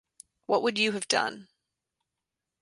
What would you have done?